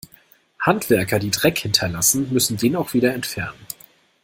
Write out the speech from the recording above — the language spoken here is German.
Handwerker, die Dreck hinterlassen, müssen den auch wieder entfernen.